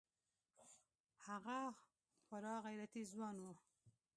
هغه خورا غيرتي ځوان و.